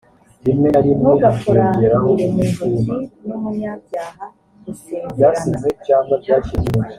ntugakoranire mu ntoki n umunyabyaha gusezerana